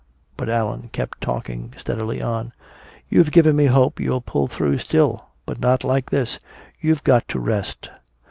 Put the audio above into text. But Allan kept talking steadily on: "You've given me hope you'll pull through still. But not like this. You've got to rest.